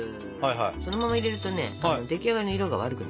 そのまま入れるとね出来上がりの色が悪くなります。